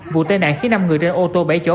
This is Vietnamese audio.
vụ tai nạn khiến năm người trên ô tô bảy chỗ